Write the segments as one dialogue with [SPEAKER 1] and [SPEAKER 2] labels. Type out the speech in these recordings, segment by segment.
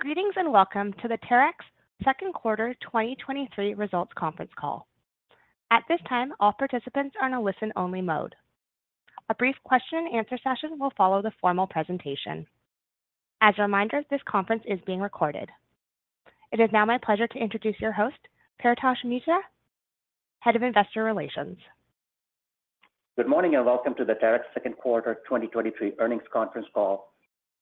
[SPEAKER 1] Greetings, and welcome to the Terex second quarter 2023 results conference call. At this time, all participants are on a listen-only mode. A brief question and answer session will follow the formal presentation. As a reminder, this conference is being recorded. It is now my pleasure to introduce your host, Paritosh Mitra, Head of Investor Relations.
[SPEAKER 2] Good morning, and welcome to the Terex second quarter 2023 earnings conference call.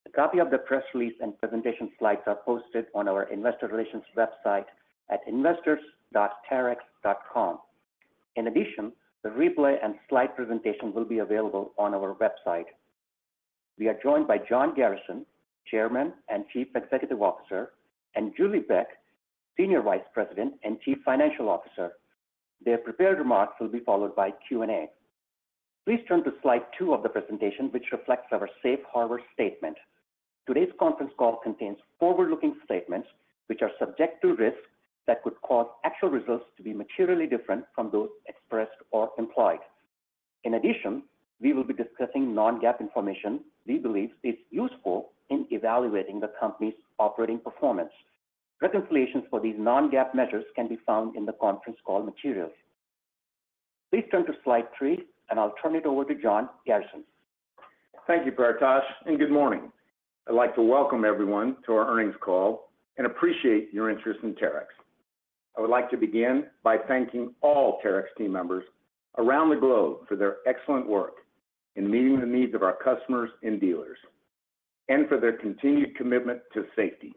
[SPEAKER 2] A copy of the press release and presentation slides are posted on our investor relations website at investors.terex.com. In addition, the replay and slide presentation will be available on our website. We are joined by John Garrison, Chairman and Chief Executive Officer, and Julie Beck, Senior Vice President and Chief Financial Officer. Their prepared remarks will be followed by Q&A. Please turn to slide two of the presentation, which reflects our safe harbor statement. Today's conference call contains forward-looking statements which are subject to risks that could cause actual results to be materially different from those expressed or implied. In addition, we will be discussing non-GAAP information we believe is useful in evaluating the company's operating performance. Reconciliations for these non-GAAP measures can be found in the conference call materials. Please turn to slide three, and I'll turn it over to John Garrison.
[SPEAKER 3] Thank you, Paritosh. Good morning. I'd like to welcome everyone to our earnings call and appreciate your interest in Terex. I would like to begin by thanking all Terex team members around the globe for their excellent work in meeting the needs of our customers and dealers, and for their continued commitment to safety.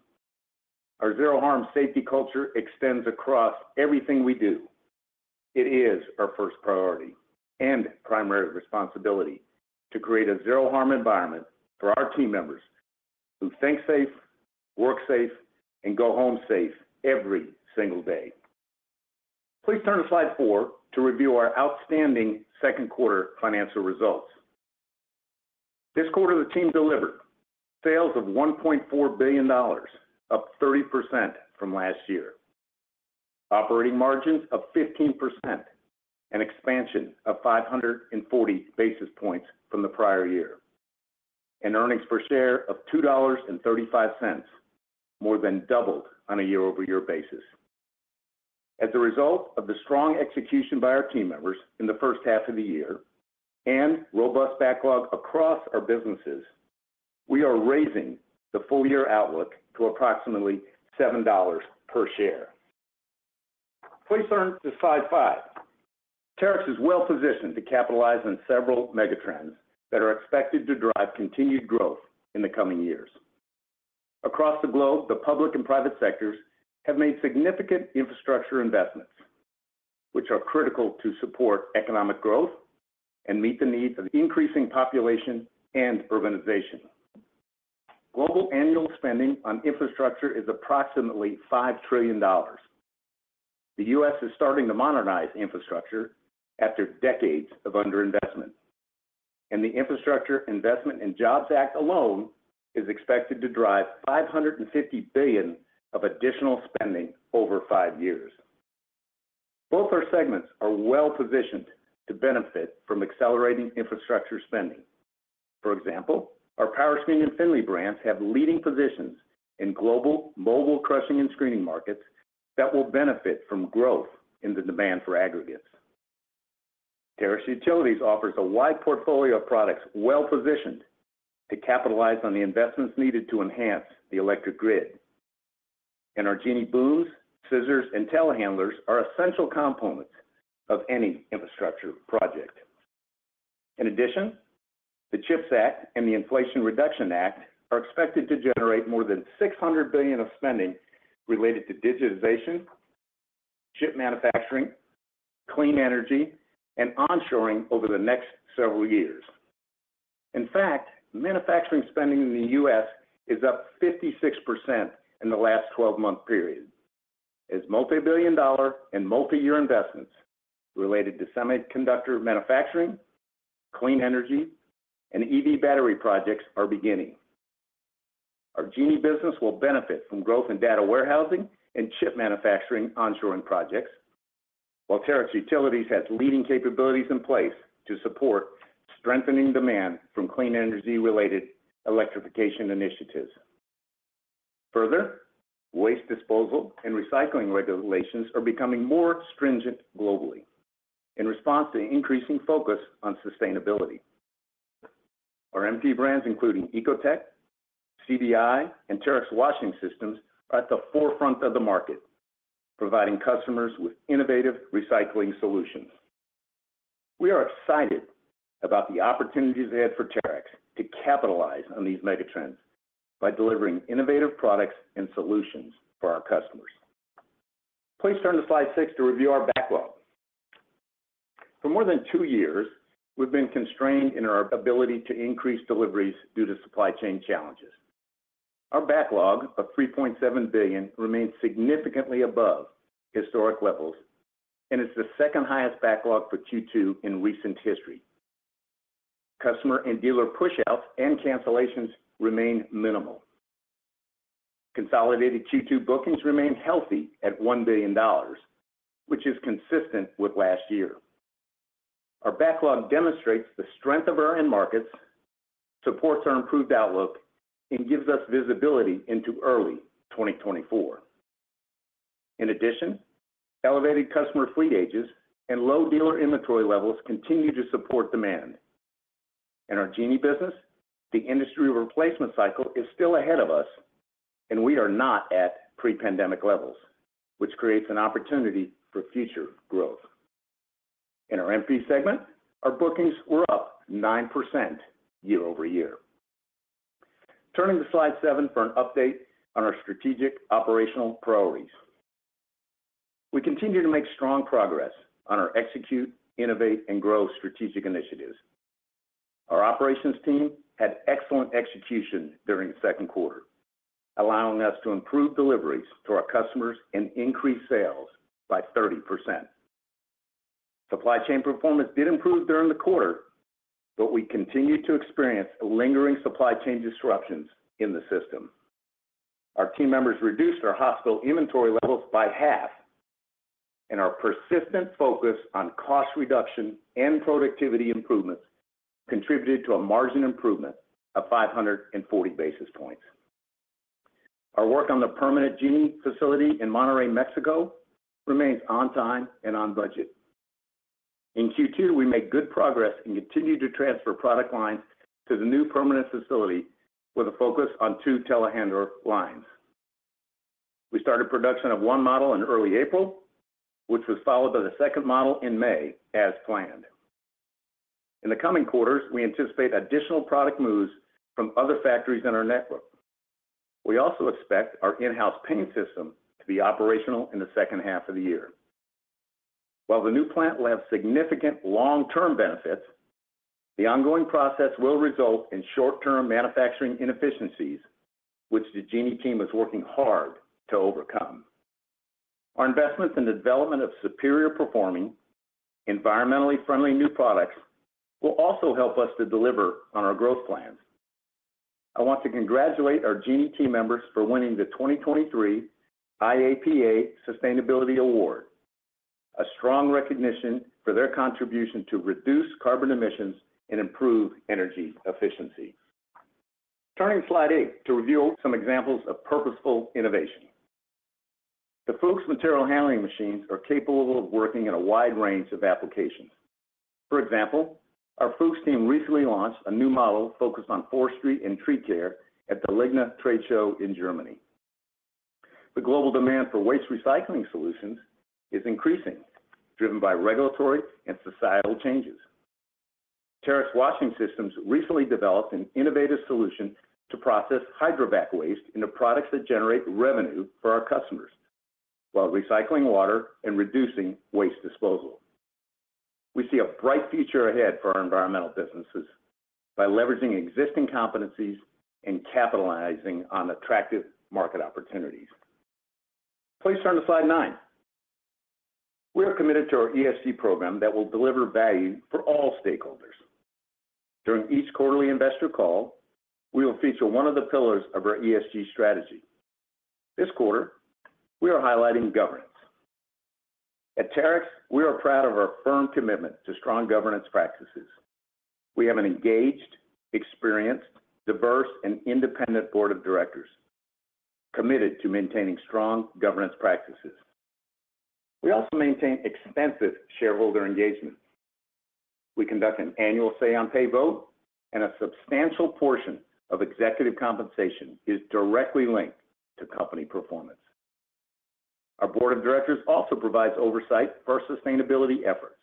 [SPEAKER 3] Our Zero Harm safety culture extends across everything we do. It is our first priority and primary responsibility to create a Zero Harm environment for our team members who think safe, work safe, and go home safe every single day. Please turn to slide four to review our outstanding second quarter financial results. This quarter, the team delivered sales of $1.4 billion, up 30% from last year. Operating margins of 15%, an expansion of 540 basis points from the prior year, and earnings per share of $2.35, more than doubled on a year-over-year basis. As a result of the strong execution by our team members in the first half of the year and robust backlog across our businesses, we are raising the full-year outlook to approximately $7 per share. Please turn to slide five. Terex is well positioned to capitalize on several megatrends that are expected to drive continued growth in the coming years. Across the globe, the public and private sectors have made significant infrastructure investments, which are critical to support economic growth and meet the needs of increasing population and urbanization. Global annual spending on infrastructure is approximately $5 trillion. The U.S. is starting to modernize infrastructure after decades of underinvestment. The Infrastructure Investment and Jobs Act alone is expected to drive $550 billion of additional spending over five years. Both our segments are well positioned to benefit from accelerating infrastructure spending. For example, our Powerscreen and Finlay brands have leading positions in global mobile crushing and screening markets that will benefit from growth in the demand for aggregates. Terex Utilities offers a wide portfolio of products well-positioned to capitalize on the investments needed to enhance the electric grid. Our Genie booms, scissors, and telehandlers are essential components of any infrastructure project. In addition, the CHIPS Act and the Inflation Reduction Act are expected to generate more than $600 billion of spending related to digitization, chip manufacturing, clean energy, and onshoring over the next several years. In fact, manufacturing spending in the U.S. is up 56% in the last twelve-month period, as multi-billion dollar and multi-year investments related to semiconductor manufacturing, clean energy, and EV battery projects are beginning. Our Genie business will benefit from growth in data warehousing and chip manufacturing onshoring projects, while Terex Utilities has leading capabilities in place to support strengthening demand from clean energy-related electrification initiatives. Waste disposal and recycling regulations are becoming more stringent globally in response to increasing focus on sustainability. Our MP brands, including Ecotec, CBI, and Terex Washing Systems, are at the forefront of the market, providing customers with innovative recycling solutions. We are excited about the opportunities ahead for Terex to capitalize on these megatrends by delivering innovative products and solutions for our customers. Please turn to slide six to review our backlog. For more than two years, we've been constrained in our ability to increase deliveries due to supply chain challenges. Our backlog of $3.7 billion remains significantly above historic levels and is the second highest backlog for Q2 in recent history. Customer and dealer pushouts and cancellations remain minimal. Consolidated Q2 bookings remain healthy at $1 billion, which is consistent with last year. Our backlog demonstrates the strength of our end markets, supports our improved outlook, and gives us visibility into early 2024. In addition, elevated customer fleet ages and low dealer inventory levels continue to support demand. In our Genie business, the industry replacement cycle is still ahead of us, and we are not at pre-pandemic levels, which creates an opportunity for future growth. In our MP segment, our bookings were up 9% year-over-year. Turning to slide seven for an update on our strategic operational priorities. We continue to make strong progress on our execute, innovate, and grow strategic initiatives. Our operations team had excellent execution during the 2nd quarter, allowing us to improve deliveries to our customers and increase sales by 30%. Supply chain performance did improve during the quarter, but we continued to experience lingering supply chain disruptions in the system. Our team members reduced our hospital inventory levels by half, and our persistent focus on cost reduction and productivity improvements contributed to a margin improvement of 540 basis points. Our work on the permanent Genie facility in Monterrey, Mexico, remains on time and on budget. In Q2, we made good progress and continued to transfer product lines to the new permanent facility with a focus on two telehandler lines. We started production of one model in early April, which was followed by the second model in May, as planned. In the coming quarters, we anticipate additional product moves from other factories in our network. We also expect our in-house paint system to be operational in the second half of the year. While the new plant will have significant long-term benefits, the ongoing process will result in short-term manufacturing inefficiencies, which the Genie team is working hard to overcome. Our investments in the development of superior performing, environmentally friendly new products will also help us to deliver on our growth plans. I want to congratulate our Genie team members for winning the 2023 IAPA Sustainability Award, a strong recognition for their contribution to reduce carbon emissions and improve energy efficiency. Turning to slide eight, to reveal some examples of purposeful innovation. The Fuchs material handling machines are capable of working in a wide range of applications. For example, our Fuchs team recently launched a new model focused on forestry and tree care at the LIGNA Trade Show in Germany. The global demand for waste recycling solutions is increasing, driven by regulatory and societal changes. Terex Washing Systems recently developed an innovative solution to process hydrovac waste into products that generate revenue for our customers, while recycling water and reducing waste disposal. We see a bright future ahead for our environmental businesses by leveraging existing competencies and capitalizing on attractive market opportunities. Please turn to slide nine. We are committed to our ESG program that will deliver value for all stakeholders. During each quarterly investor call, we will feature one of the pillars of our ESG strategy. This quarter, we are highlighting governance. At Terex, we are proud of our firm commitment to strong governance practices. We have an engaged, experienced, diverse, and independent board of directors committed to maintaining strong governance practices. We also maintain extensive shareholder engagement. We conduct an annual say on pay vote. A substantial portion of executive compensation is directly linked to company performance. Our board of directors also provides oversight for our sustainability efforts.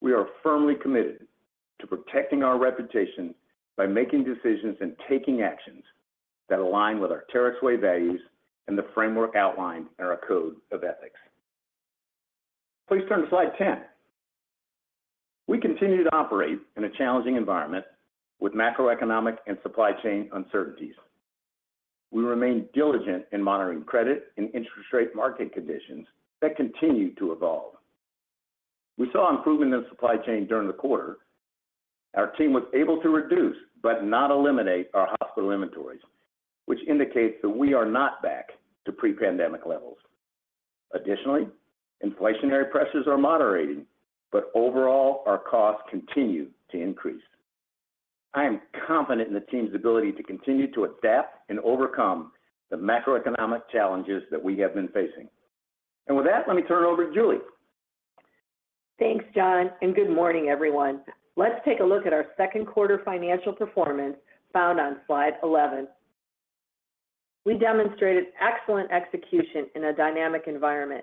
[SPEAKER 3] We are firmly committed to protecting our reputation by making decisions and taking actions that align with our Terex Way values and the framework outlined in our code of ethics. Please turn to slide 10. We continue to operate in a challenging environment with macroeconomic and supply chain uncertainties. We remain diligent in monitoring credit and interest rate market conditions that continue to evolve. We saw improvement in the supply chain during the quarter. Our team was able to reduce but not eliminate our hospital inventories, which indicates that we are not back to pre-pandemic levels. Additionally, inflationary pressures are moderating, but overall, our costs continue to increase. I am confident in the team's ability to continue to adapt and overcome the macroeconomic challenges that we have been facing. With that, let me turn it over to Julie.
[SPEAKER 4] Thanks, John, and good morning, everyone. Let's take a look at our second quarter financial performance found on slide 11. We demonstrated excellent execution in a dynamic environment.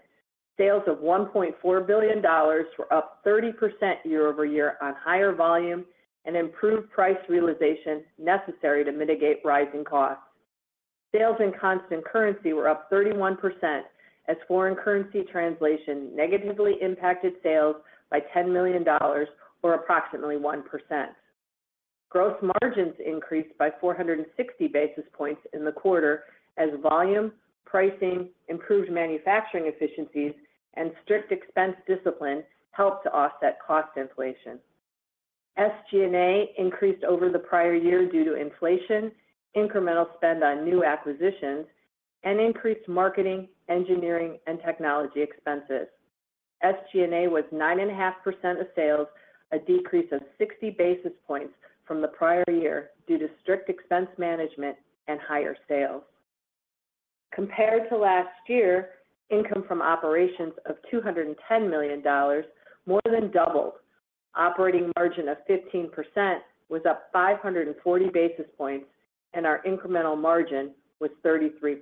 [SPEAKER 4] Sales of $1.4 billion were up 30% year-over-year on higher volume and improved price realization necessary to mitigate rising costs. Sales in constant currency were up 31% as foreign currency translation negatively impacted sales by $10 million, or approximately 1%. Gross margins increased by 460 basis points in the quarter as volume, pricing, improved manufacturing efficiencies, and strict expense discipline helped to offset cost inflation. SG&A increased over the prior year due to inflation, incremental spend on new acquisitions, and increased marketing, engineering, and technology expenses. SG&A was 9.5% of sales, a decrease of 60 basis points from the prior year due to strict expense management and higher sales. Compared to last year, income from operations of $210 million more than doubled. Operating margin of 15% was up 540 basis points, our incremental margin was 33%.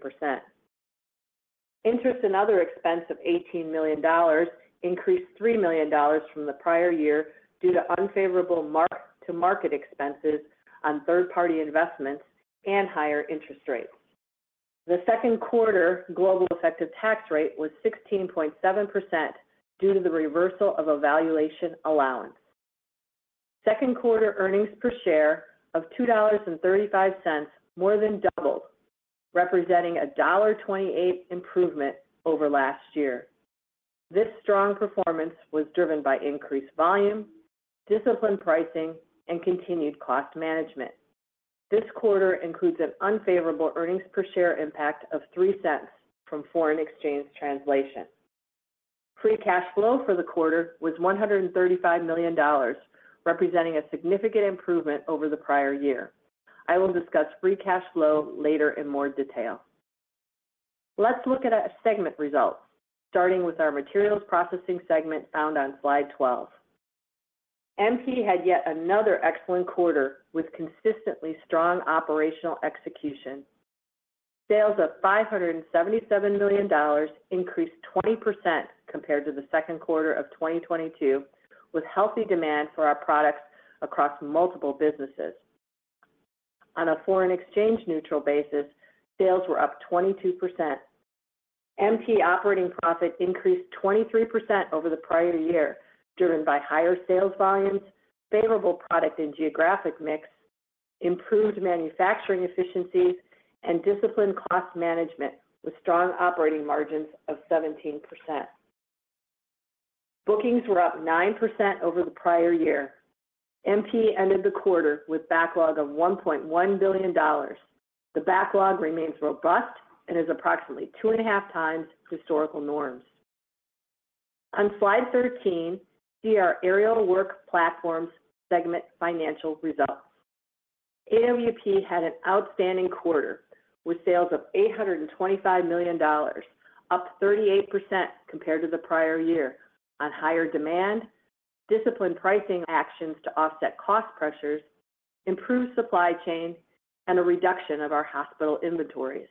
[SPEAKER 4] Interest and other expense of $18 million increased $3 million from the prior year due to unfavorable mark-to-market expenses on third-party investments and higher interest rates. The second quarter global effective tax rate was 16.7% due to the reversal of a valuation allowance. Second quarter earnings per share of $2.35 more than doubled, representing a $1.28 improvement over last year. This strong performance was driven by increased volume, disciplined pricing, and continued cost management. This quarter includes an unfavorable earnings per share impact of $0.03 from foreign exchange translation. Free cash flow for the quarter was $135 million, representing a significant improvement over the prior year. I will discuss free cash flow later in more detail. Let's look at our segment results, starting with our Materials Processing segment found on slide 12. MP had yet another excellent quarter with consistently strong operational execution. Sales of $577 million increased 20% compared to the second quarter of 2022, with healthy demand for our products across multiple businesses. On a foreign exchange neutral basis, sales were up 22%. MP operating profit increased 23% over the prior year, driven by higher sales volumes, favorable product and geographic mix, improved manufacturing efficiencies, and disciplined cost management, with strong operating margins of 17%. Bookings were up 9% over the prior year. MP ended the quarter with backlog of $1.1 billion. The backlog remains robust and is approximately 2.5x historical norms. On Slide 13, see our Aerial Work Platforms segment financial results. AWP had an outstanding quarter, with sales of $825 million, up 38% compared to the prior year on higher demand, disciplined pricing actions to offset cost pressures, improved supply chain, and a reduction of our hospital inventories.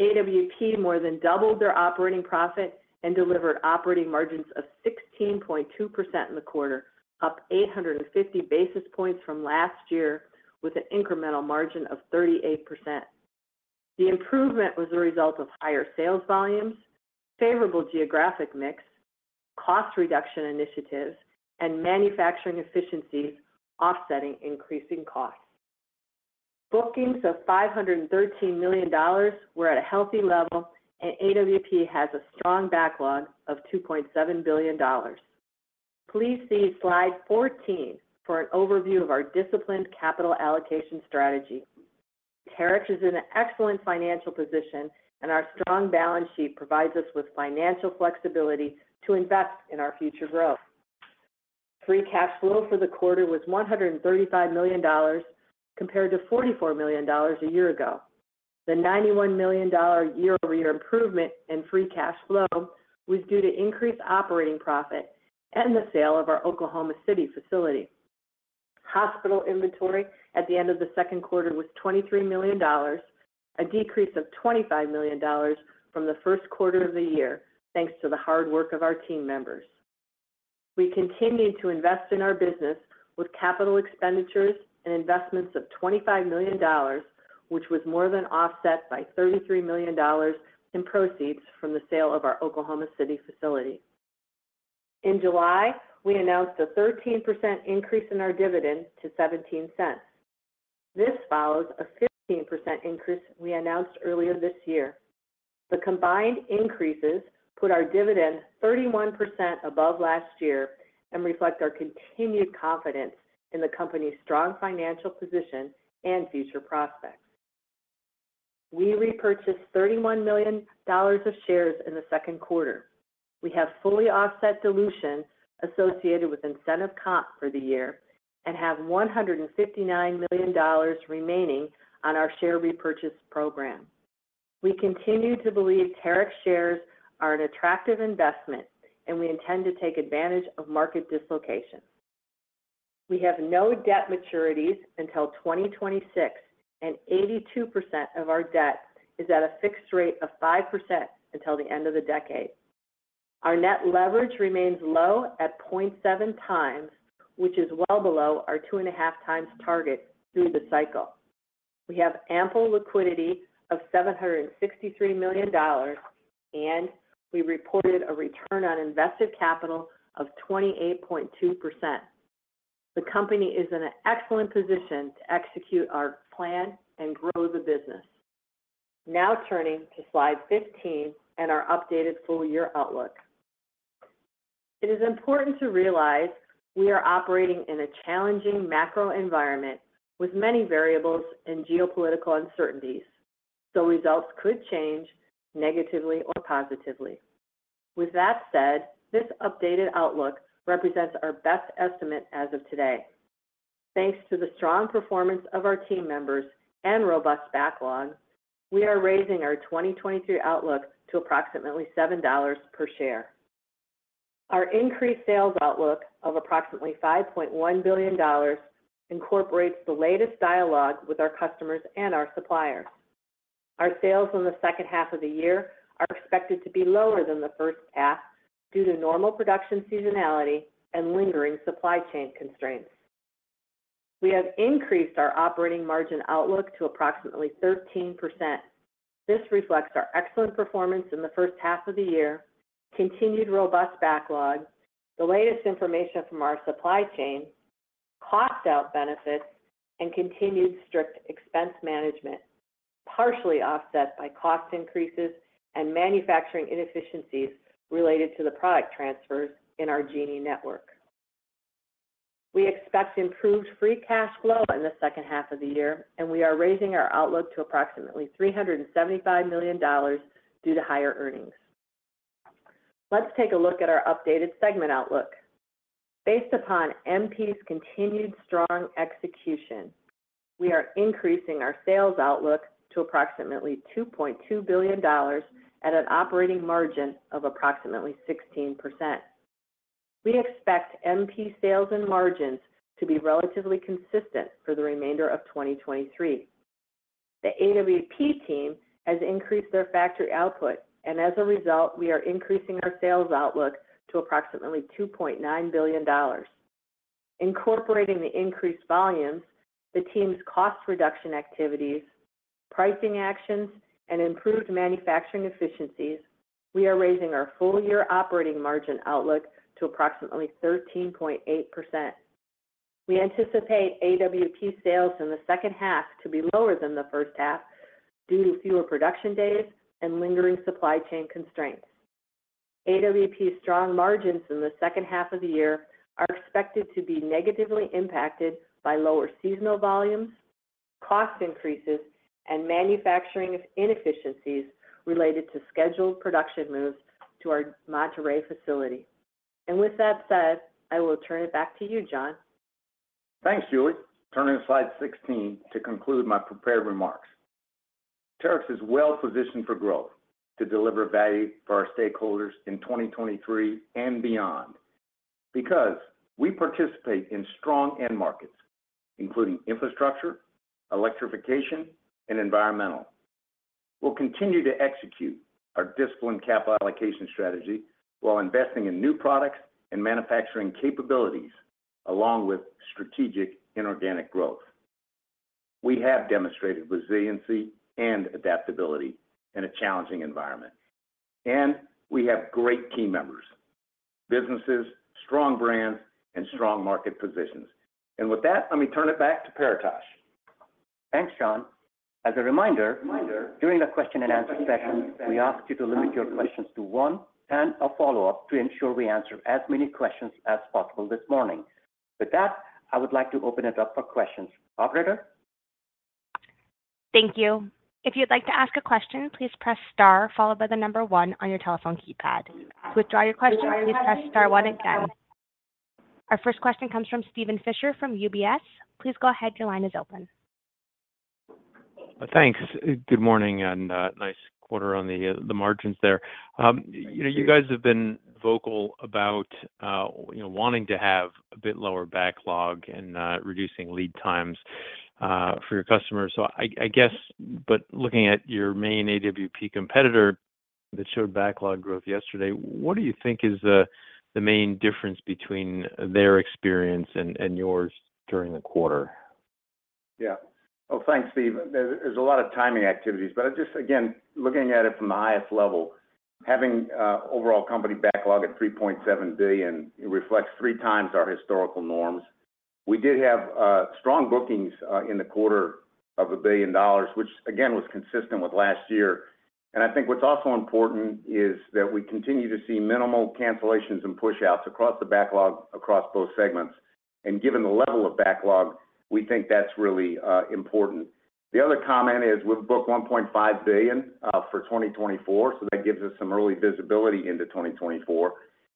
[SPEAKER 4] AWP more than doubled their operating profit and delivered operating margins of 16.2% in the quarter, up 850 basis points from last year, with an incremental margin of 38%. The improvement was a result of higher sales volumes, favorable geographic mix, cost reduction initiatives, and manufacturing efficiencies offsetting increasing costs. Bookings of $513 million were at a healthy level, AWP has a strong backlog of $2.7 billion. Please see Slide 14 for an overview of our disciplined capital allocation strategy. Terex is in an excellent financial position, our strong balance sheet provides us with financial flexibility to invest in our future growth. Free cash flow for the quarter was $135 million, compared to $44 million a year ago. The $91 million year-over-year improvement in free cash flow was due to increased operating profit and the sale of our Oklahoma City facility. Hospital inventory at the end of the second quarter was $23 million, a decrease of $25 million from the first quarter of the year, thanks to the hard work of our team members. We continued to invest in our business with capital expenditures and investments of $25 million, which was more than offset by $33 million in proceeds from the sale of our Oklahoma City facility. In July, we announced a 13% increase in our dividend to $0.17. This follows a 15% increase we announced earlier this year. The combined increases put our dividend 31% above last year and reflect our continued confidence in the company's strong financial position and future prospects. We repurchased $31 million of shares in the second quarter. We have fully offset dilution associated with incentive comp for the year and have $159 million remaining on our share repurchase program. We continue to believe Terex shares are an attractive investment, we intend to take advantage of market dislocation. We have no debt maturities until 2026. Eighty-two percent of our debt is at a fixed rate of 5% until the end of the decade. Our net leverage remains low at 0.7x, which is well below our 2.5x target through the cycle. We have ample liquidity of $763 million. We reported a return on invested capital of 28.2%. The company is in an excellent position to execute our plan and grow the business. Turning to Slide 15 and our updated full year outlook. It is important to realize we are operating in a challenging macro environment with many variables and geopolitical uncertainties. Results could change negatively or positively. With that said, this updated outlook represents our best estimate as of today. Thanks to the strong performance of our team members and robust backlog, we are raising our 2023 outlook to approximately $7 per share. Our increased sales outlook of approximately $5.1 billion incorporates the latest dialogue with our customers and our suppliers. Our sales in the second half of the year are expected to be lower than the first half due to normal production seasonality and lingering supply chain constraints. We have increased our operating margin outlook to approximately 13%. This reflects our excellent performance in the first half of the year, continued robust backlog, the latest information from our supply chain, cost out benefits, and continued strict expense management, partially offset by cost increases and manufacturing inefficiencies related to the product transfers in our Genie Network. We expect improved free cash flow in the second half of the year. We are raising our outlook to approximately $375 million due to higher earnings. Let's take a look at our updated segment outlook. Based upon MP's continued strong execution, we are increasing our sales outlook to approximately $2.2 billion at an operating margin of approximately 16%. We expect MP sales and margins to be relatively consistent for the remainder of 2023. The AWP team has increased their factory output. As a result, we are increasing our sales outlook to approximately $2.9 billion. Incorporating the increased volumes, the team's cost reduction activities, pricing actions, and improved manufacturing efficiencies, we are raising our full year operating margin outlook to approximately 13.8%. We anticipate AWP sales in the second half to be lower than the first half due to fewer production days and lingering supply chain constraints. AWP's strong margins in the second half of the year are expected to be negatively impacted by lower seasonal volumes, cost increases, and manufacturing inefficiencies related to scheduled production moves to our Monterrey facility. With that said, I will turn it back to you, John.
[SPEAKER 3] Thanks, Julie. Turning to Slide 16 to conclude my prepared remarks. Terex is well positioned for growth to deliver value for our stakeholders in 2023 and beyond, because we participate in strong end markets, including infrastructure, electrification, and environmental. We'll continue to execute our disciplined capital allocation strategy while investing in new products and manufacturing capabilities, along with strategic inorganic growth. We have demonstrated resiliency and adaptability in a challenging environment, and we have great team members, businesses, strong brands, and strong market positions. With that, let me turn it back to Paritosh.
[SPEAKER 2] Thanks, John. As a reminder, during the question and answer session, we ask you to limit your questions to one and a follow-up to ensure we answer as many questions as possible this morning. With that, I would like to open it up for questions. Operator?
[SPEAKER 1] Thank you. If you'd like to ask a question, please press star followed by the number one on your telephone keypad. To withdraw your question, please press star one again. Our first question comes from Steven Fisher from UBS. Please go ahead. Your line is open.
[SPEAKER 5] Thanks. Good morning, and nice quarter on the, the margins there. You know, you guys have been vocal about wanting to have a bit lower backlog and reducing lead times for your customers. I, I guess, but looking at your main AWP competitor that showed backlog growth yesterday, what do you think is the, the main difference between their experience and, and yours during the quarter?
[SPEAKER 3] Yeah. Well, thanks, Steve. There's, there's a lot of timing activities, but just again, looking at it from the highest level, having, overall company backlog at $3.7 billion, it reflects 3x our historical norms. We did have, strong bookings, in the quarter of $1 billion, which again, was consistent with last year. I think what's also important is that we continue to see minimal cancellations and pushouts across the backlog, across both segments. Given the level of backlog, we think that's really, important. The other comment is we've booked $1.5 billion, for 2024, so that gives us some early visibility into 2024.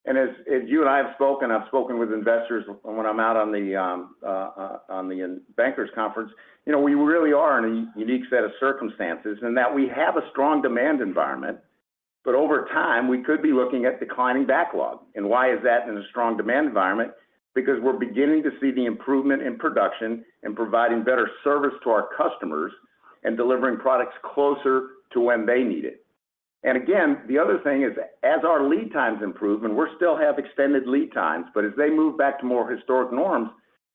[SPEAKER 3] As, as you and I have spoken, I've spoken with investors when I'm out on the, on the bankers conference, you know, we really are in a unique set of circumstances in that we have a strong demand environment, but over time, we could be looking at declining backlog. Why is that in a strong demand environment? Because we're beginning to see the improvement in production and providing better service to our customers and delivering products closer to when they need it. Again, the other thing is, as our lead times improve, and we still have extended lead times, but as they move back to more historic norms,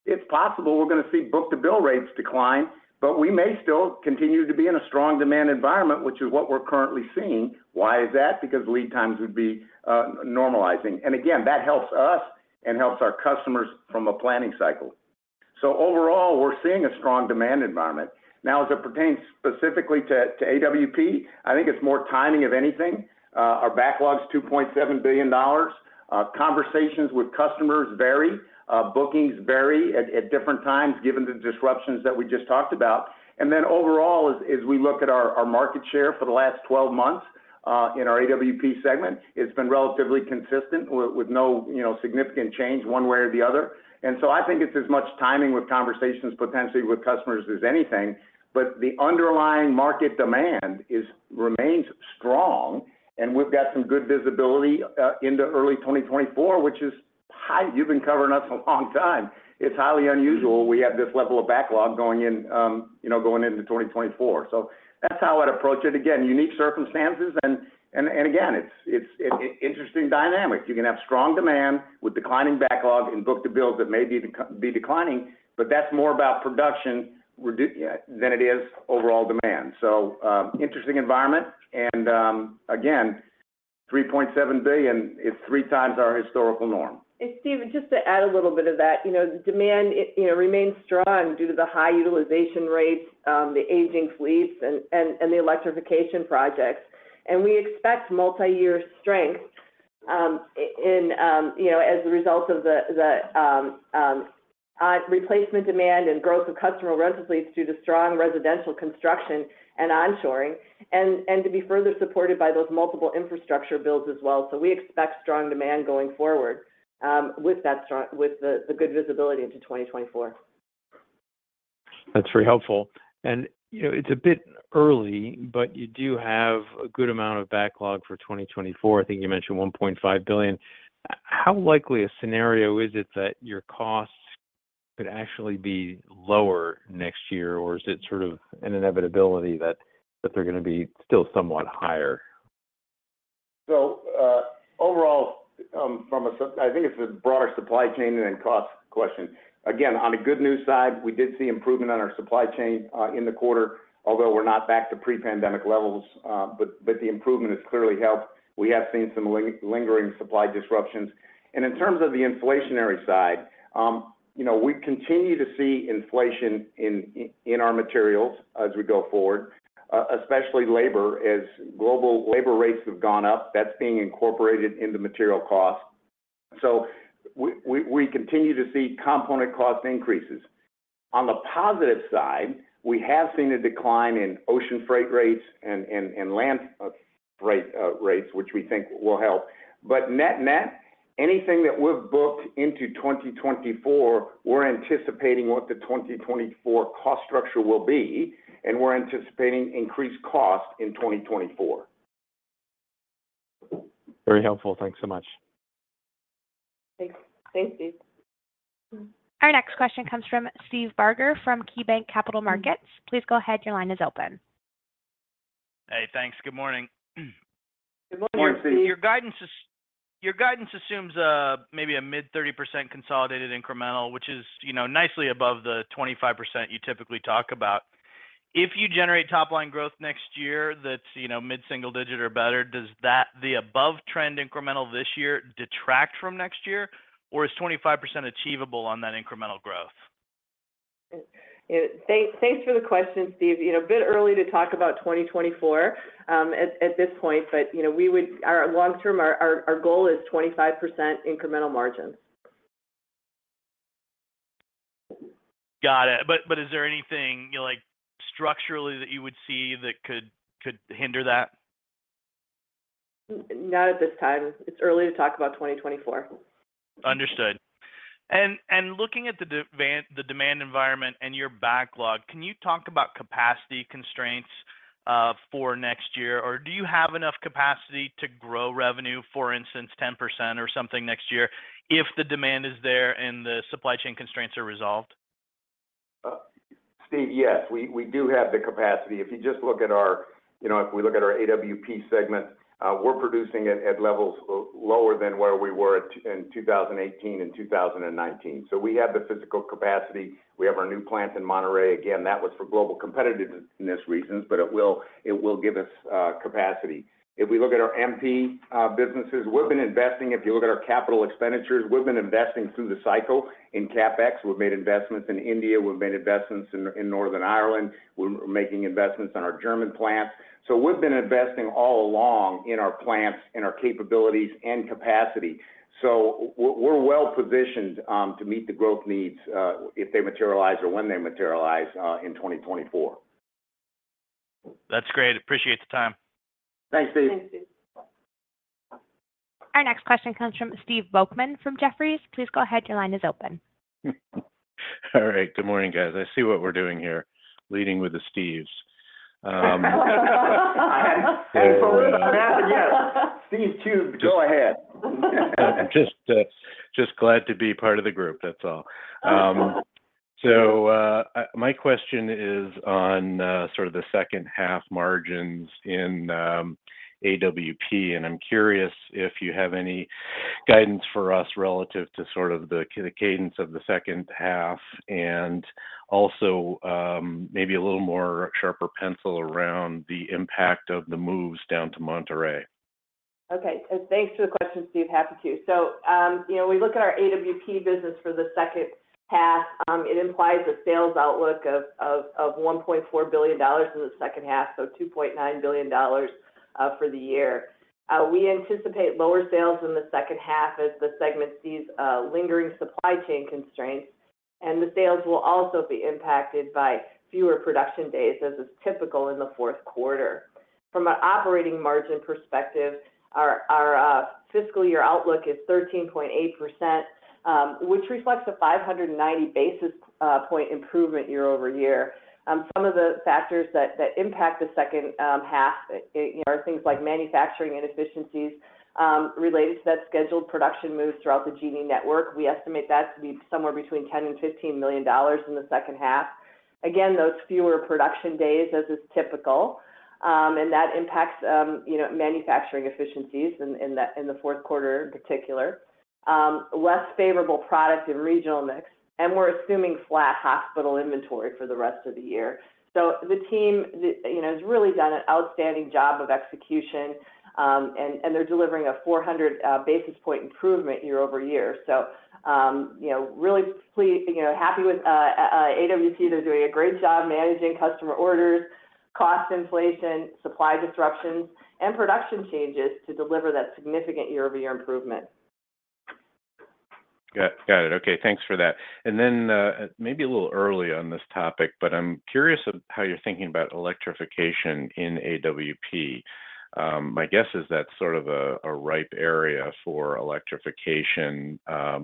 [SPEAKER 3] it's possible we're going to see book-to-bill rates decline, but we may still continue to be in a strong demand environment, which is what we're currently seeing. Why is that? Because lead times would be normalizing. Again, that helps us and helps our customers from a planning cycle. Overall, we're seeing a strong demand environment. Now, as it pertains specifically to, to AWP, I think it's more timing, if anything. Our backlog's $2.7 billion. Conversations with customers vary. Bookings vary at, at different times, given the disruptions that we just talked about. Then overall, as, as we look at our, our market share for the last 12 months, in our AWP segment, it's been relatively consistent with, with no, you know, significant change one way or the other. So I think it's as much timing with conversations potentially with customers as anything. The underlying market demand remains strong, and we've got some good visibility into early 2024, which is high. You've been covering us a long time. It's highly unusual we have this level of backlog going in, you know, going into 2024. That's how I'd approach it. Again, unique circumstances, and, and, and again, it's, it's interesting dynamics. You can have strong demand with declining backlog and book-to-bills that may be dec- be declining, but that's more about production [reduction]- than it is overall demand. Interesting environment, and, again, $3.7 billion, it's 3x our historical norm.
[SPEAKER 4] Steven Fisher, just to add a little bit of that, you know, the demand, it, you know, remains strong due to the high utilization rates, the aging fleets, and, and, and the electrification projects. We expect multi-year strength, i- in, you know, as a result of the, the replacement demand and growth of customer rental fleets due to strong residential construction and onshoring, and, and to be further supported by those multiple infrastructure builds as well. We expect strong demand going forward, with that strong-- with the, the good visibility into 2024.
[SPEAKER 5] That's very helpful. You know, it's a bit early, but you do have a good amount of backlog for 2024. I think you mentioned $1.5 billion. How likely a scenario is it that your costs could actually be lower next year? Or is it sort of an inevitability that, that they're gonna be still somewhat higher?
[SPEAKER 3] Overall, I think it's a broader supply chain and then cost question. Again, on the good news side, we did see improvement on our supply chain in the quarter, although we're not back to pre-pandemic levels, but the improvement has clearly helped. We have seen some lingering supply disruptions. In terms of the inflationary side, you know, we continue to see inflation in our materials as we go forward, especially labor. As global labor rates have gone up, that's being incorporated into material costs. We, we continue to see component cost increases. On the positive side, we have seen a decline in ocean freight rates and land rates, which we think will help. Net-net, anything that we've booked into 2024, we're anticipating what the 2024 cost structure will be, and we're anticipating increased costs in 2024.
[SPEAKER 5] Very helpful. Thanks so much.
[SPEAKER 4] Thanks. Thanks, Steve.
[SPEAKER 1] Our next question comes from Steve Barger from KeyBanc Capital Markets. Please go ahead. Your line is open.
[SPEAKER 6] Hey, thanks. Good morning.
[SPEAKER 3] Good morning, Steve.
[SPEAKER 6] Your guidance assumes, maybe a mid 30% consolidated incremental, which is, you know, nicely above the 25% you typically talk about. If you generate top-line growth next year, that's, you know, mid-single digit or better, does that the above trend incremental this year detract from next year, or is 25% achievable on that incremental growth?
[SPEAKER 4] Thanks, thanks for the question, Steve. You know, a bit early to talk about 2024, at this point, but, you know, we would our long term, our, our, our goal is 25% incremental margins.
[SPEAKER 6] Got it. But is there anything, like, structurally that you would see that could hinder that?
[SPEAKER 4] Not at this time. It's early to talk about 2024.
[SPEAKER 6] Understood. Looking at the demand environment and your backlog, can you talk about capacity constraints for next year? Do you have enough capacity to grow revenue, for instance, 10% or something next year, if the demand is there and the supply chain constraints are resolved?
[SPEAKER 3] Steve, yes, we, we do have the capacity. If you just look at our... You know, if we look at our AWP segment, we're producing at levels lower than where we were at in 2018 and 2019. We have the physical capacity. We have our new plant in Monterrey. Again, that was for global competitiveness reasons, but it will give us capacity. If we look at our MP businesses, we've been investing. If you look at our capital expenditures, we've been investing through the cycle. In CapEx, we've made investments in India, we've made investments in, in Northern Ireland, we're making investments in our German plants. We've been investing all along in our plants and our capabilities and capacity. We're well positioned to meet the growth needs if they materialize or when they materialize in 2024.
[SPEAKER 6] That's great. Appreciate the time.
[SPEAKER 3] Thanks, Steve.
[SPEAKER 4] Thanks, Steve.
[SPEAKER 1] Our next question comes from Steve Volkmann from Jefferies. Please go ahead. Your line is open.
[SPEAKER 7] All right. Good morning, guys. I see what we're doing here, leading with the Steves.
[SPEAKER 3] For the math, again, Steve two, go ahead.
[SPEAKER 7] Just, just glad to be part of the group, that's all. My question is on sort of the second half margins in AWP, and I'm curious if you have any guidance for us relative to sort of the, the cadence of the second half, and also, maybe a little more sharper pencil around the impact of the moves down to Monterrey....
[SPEAKER 4] Okay. Thanks for the question, Steve. Happy to. You know, we look at our AWP business for the second half, it implies a sales outlook of $1.4 billion in the second half, $2.9 billion for the year. We anticipate lower sales in the second half as the segment sees lingering supply chain constraints, and the sales will also be impacted by fewer production days, as is typical in the fourth quarter. From an operating margin perspective, our fiscal year outlook is 13.8%, which reflects a 590 basis point improvement year-over-year. Some of the factors that impact the second half, you know, are things like manufacturing inefficiencies, related to that scheduled production moves throughout the Genie network. We estimate that to be somewhere between $10 million and $15 million in the second half. Again, those fewer production days, as is typical, and that impacts, you know, manufacturing efficiencies in, in the, in the fourth quarter in particular. Less favorable product and regional mix, and we're assuming flat hospital inventory for the rest of the year. The team, the, you know, has really done an outstanding job of execution, and, and they're delivering a 400 basis point improvement year-over-year. You know, really pleased, you know, happy with AWP. They're doing a great job managing customer orders, cost inflation, supply disruptions, and production changes to deliver that significant year-over-year improvement.
[SPEAKER 7] Got, got it. Okay, thanks for that. Maybe a little early on this topic, but I'm curious about how you're thinking about electrification in AWP. My guess is that's sort of a, a ripe area for electrification,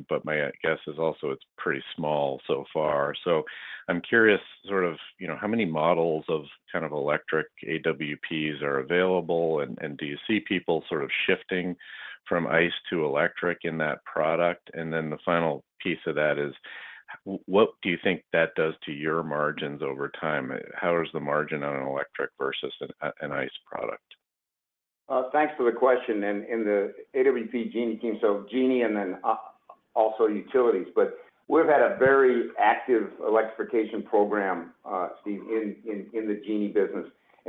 [SPEAKER 7] but my guess is also it's pretty small so far. I'm curious, sort of, you know, how many models of kind of electric AWPs are available, and do you see people sort of shifting from ICE to electric in that product? The final piece of that is, what do you think that does to your margins over time? How is the margin on an electric versus an ICE product?
[SPEAKER 3] Thanks for the question. In the AWP Genie team, so Genie and then also utilities, but we've had a very active electrification program, Steve, in the Genie business.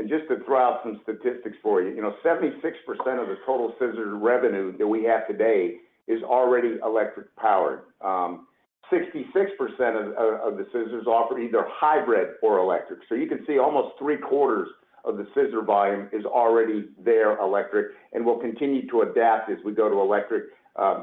[SPEAKER 3] Just to throw out some statistics for you, you know, 76% of the total scissor revenue that we have today is already electric powered. 66% of the scissors offer either hybrid or electric. So you can see almost 3/4 of the scissor volume is already there, electric, and will continue to adapt as we go to electric,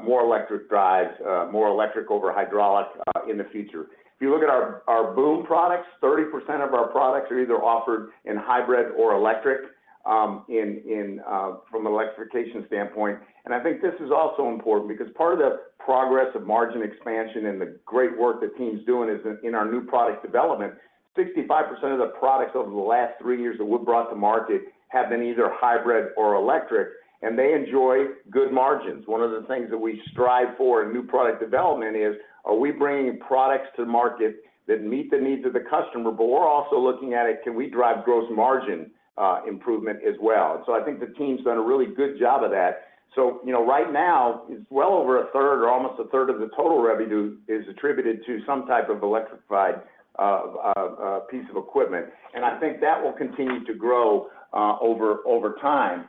[SPEAKER 3] more electric drives, more electric over hydraulics in the future. If you look at our boom products, 30% of our products are either offered in hybrid or electric, from an electrification standpoint. I think this is also important because part of the progress of margin expansion and the great work the team's doing is in our new product development. 65% of the products over the last three years that we've brought to market have been either hybrid or electric, and they enjoy good margins. One of the things that we strive for in new product development is, are we bringing products to market that meet the needs of the customer? We're also looking at it, can we drive gross margin improvement as well? I think the team's done a really good job of that. You know, right now, it's well over a third or almost a third of the total revenue is attributed to some type of electrified piece of equipment, and I think that will continue to grow over time.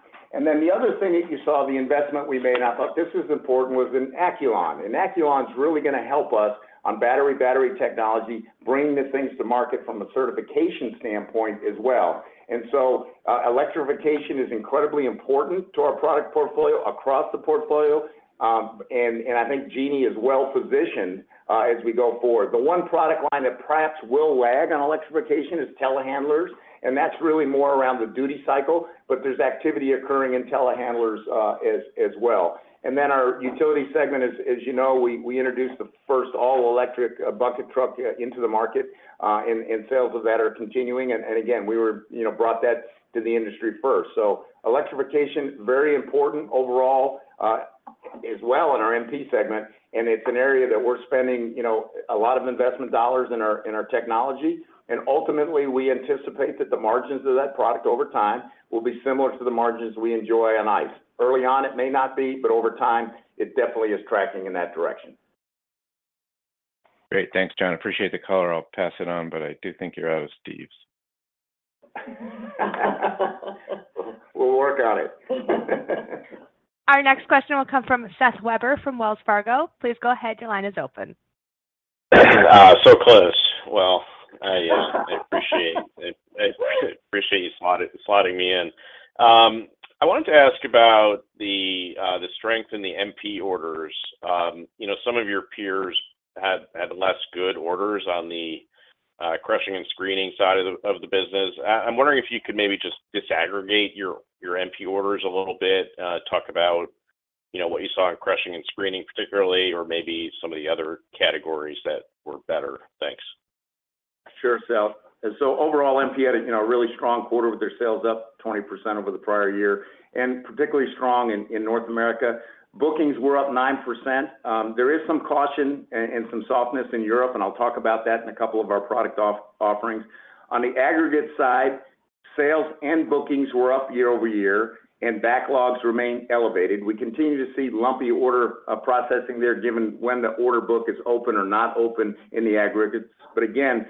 [SPEAKER 3] Then the other thing that you saw, the investment we made, and I thought this is important, was in Acculon. Acculon is really gonna help us on battery, battery technology, bringing the things to market from a certification standpoint as well. So, electrification is incredibly important to our product portfolio across the portfolio, and I think Genie is well-positioned as we go forward. The one product line that perhaps will lag on electrification is telehandlers, and that's really more around the duty cycle, but there's activity occurring in telehandlers as well. Then our utility segment, as, as you know, we, we introduced the first all-electric bucket truck into the market, and, and sales of that are continuing. And again, we were, you know, brought that to the industry first. Electrification, very important overall, as well in our MP segment, and it's an area that we're spending, you know, a lot of investment dollars in our, in our technology. Ultimately, we anticipate that the margins of that product over time will be similar to the margins we enjoy on ICE. Early on, it may not be, but over time, it definitely is tracking in that direction.
[SPEAKER 7] Great. Thanks, John. I appreciate the color. I'll pass it on, but I do think you're out of Steves.
[SPEAKER 3] We'll work on it.
[SPEAKER 1] Our next question will come from Seth Weber from Wells Fargo. Please go ahead. Your line is open.
[SPEAKER 8] So close. Well, I appreciate, I, I appreciate you slotting, slotting me in. I wanted to ask about the strength in the MP orders. You know, some of your peers had, had less good orders on the crushing and screening side of the business. I'm wondering if you could maybe just disaggregate your, your MP orders a little bit, talk about, you know, what you saw in crushing and screening particularly, or maybe some of the other categories that were better. Thanks.
[SPEAKER 3] Sure, Seth. Overall, MP had a, you know, a really strong quarter with their sales up 20% over the prior year, and particularly strong in North America. Bookings were up 9%. There is some caution and some softness in Europe, and I'll talk about that in couple of our product offerings. On the aggregate side, sales and bookings were up year-over-year, and backlogs remain elevated. We continue to see lumpy order processing there, given when the order book is open or not open in the aggregates. Again,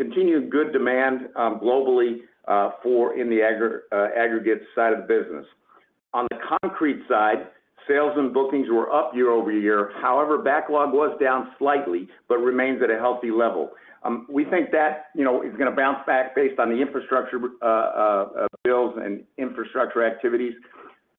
[SPEAKER 3] continued good demand globally for in the aggregates side of the business. On the concrete side, sales and bookings were up year-over-year. However, backlog was down slightly, but remains at a healthy level. We think that, you know, is gonna bounce back based on the infrastructure bills and infrastructure activities.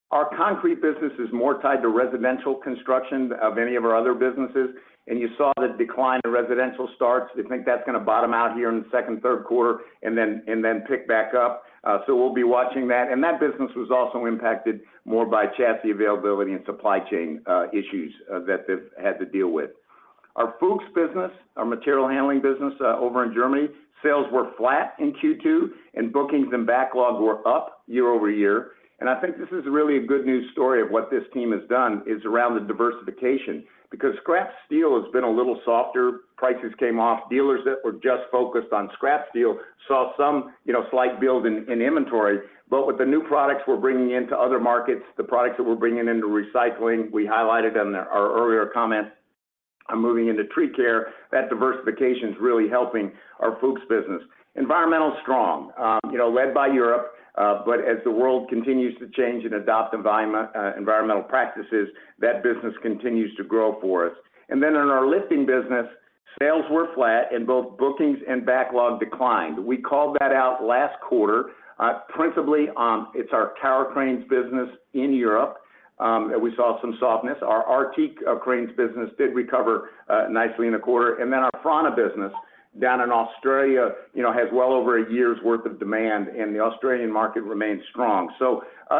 [SPEAKER 3] Our concrete business is more tied to residential construction of any of our other businesses, and you saw the decline in residential starts. We think that's gonna bottom out here in the 2nd, 3rd quarter, then pick back up. We'll be watching that. That business was also impacted more by chassis availability and supply chain issues that they've had to deal with. Our Fuchs business, our material handling business, over in Germany, sales were flat in Q2, bookings and backlog were up year-over-year. I think this is really a good news story of what this team has done, is around the diversification. Because scrap steel has been a little softer, prices came off. Dealers that were just focused on scrap steel saw some, you know, slight build in, in inventory. With the new products we're bringing into other markets, the products that we're bringing into recycling, we highlighted them in our earlier comments, moving into tree care, that diversification is really helping our Fuchs business. Environmental is strong, you know, led by Europe, but as the world continues to change and adopt environmental practices, that business continues to grow for us. In our lifting business, sales were flat, and both bookings and backlog declined. We called that out last quarter. Principally, it's our tower cranes business in Europe, that we saw some softness. Our RT cranes business did recover nicely in the quarter. Our Franna business down in Australia, you know, has well over a year's worth of demand, and the Australian market remains strong.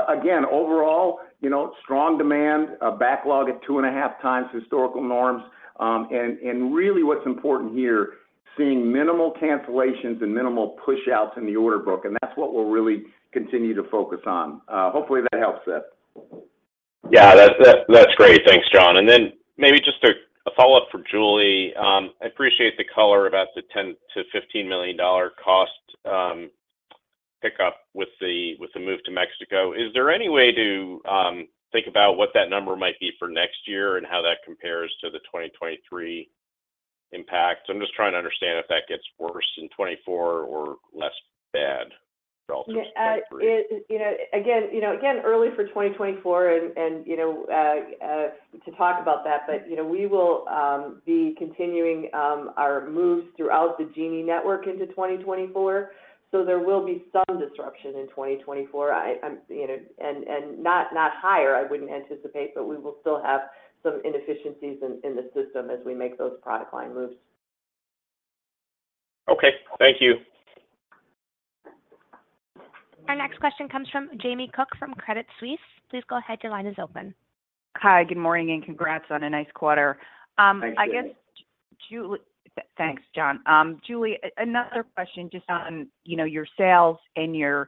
[SPEAKER 3] Again, overall, you know, strong demand, a backlog at 2.5x historical norms. Really, what's important here, seeing minimal cancellations and minimal pushouts in the order book, and that's what we'll really continue to focus on. Hopefully, that helps, Seth.
[SPEAKER 8] Yeah, that's, that's great. Thanks, John. Maybe just a, a follow-up for Julie. I appreciate the color about the $10 million-$15 million cost pick up with the, with the move to Mexico. Is there any way to think about what that number might be for next year and how that compares to the 2023 impact? I'm just trying to understand if that gets worse in 2024 or less bad relative to 2023.
[SPEAKER 4] Yeah, it, you know, again, you know, again, early for 2024 and, and, you know, to talk about that, but, you know, we will be continuing our moves throughout the Genie network into 2024. There will be some disruption in 2024. I, I'm, you know, and, and not, not higher, I wouldn't anticipate, but we will still have some inefficiencies in, in the system as we make those product line moves.
[SPEAKER 8] Okay, thank you.
[SPEAKER 1] Our next question comes from Jamie Cook from Credit Suisse. Please go ahead. Your line is open.
[SPEAKER 9] Hi, good morning. Congrats on a nice quarter.
[SPEAKER 4] Thank you.
[SPEAKER 9] I guess, thanks, John. Julie, another question just on, you know, your sales and your,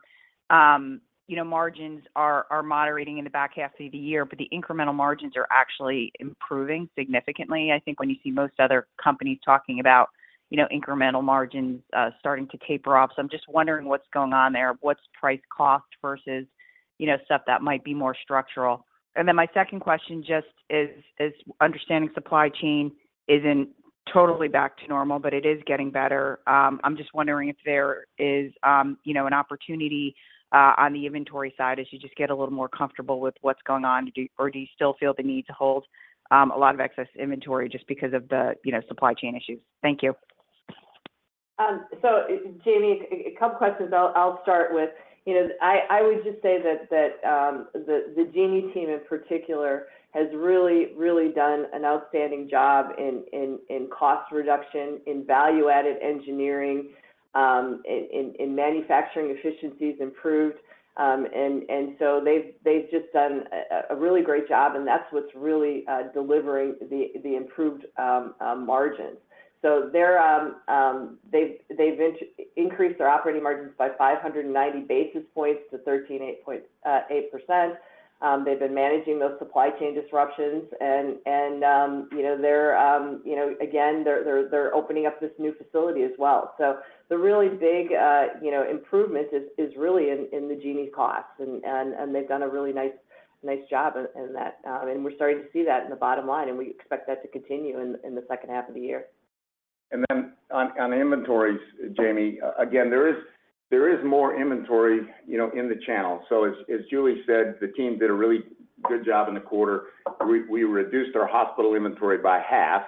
[SPEAKER 9] you know, margins are, are moderating in the back half of the year, but the incremental margins are actually improving significantly. I think when you see most other companies talking about, you know, incremental margins, starting to taper off. I'm just wondering what's going on there. What's price cost versus, you know, stuff that might be more structural? My second question just is, is understanding supply chain isn't totally back to normal, but it is getting better. I'm just wondering if there is, you know, an opportunity on the inventory side as you just get a little more comfortable with what's going on. Do you still feel the need to hold, a lot of excess inventory just because of the, you know, supply chain issues? Thank you.
[SPEAKER 4] f questions I'll start with. You know, I would just say that the Genie team in particular has really, really done an outstanding job in cost reduction, in value-added engineering, in manufacturing efficiencies improved. And so they've just done a really great job, and that's what's really delivering the improved margins. So they've increased their operating margins by 590 basis points to 13.8%. They've been managing those supply chain disruptions and, you know, they're, you know, again, they're opening up this new facility as well. The really big, you know, improvement is, is really in, in the Genie costs, and, and, and they've done a really nice, nice job in, in that. We're starting to see that in the bottom line, and we expect that to continue in, in the second half of the year.
[SPEAKER 3] On, on inventories, Jamie, again, there is, there is more inventory, you know, in the channel. As, as Julie said, the team did a really good job in the quarter. We, we reduced our hospital inventory by half,